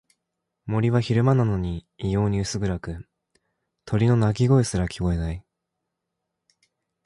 森は昼間なのに異様に薄暗く、鳥の鳴き声すら聞こえない。